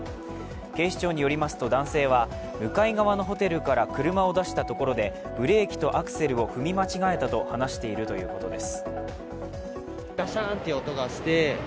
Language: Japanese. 警視庁によりますと、男性は向かい側のホテルから車を出したところでブレーキとアクセルを踏み間違えたと話しているということです。